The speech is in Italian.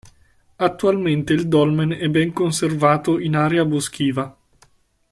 Attualmente il dolmen è ben conservato in area boschiva.